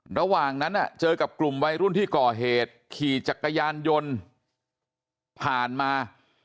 ระหว่างนั้นเจอกับกลุ่มวัยรุ่นที่ก่อเหตุขี่จักรยานยนต์ผ่านมา